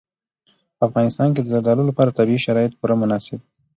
په افغانستان کې د زردالو لپاره طبیعي شرایط پوره مناسب دي.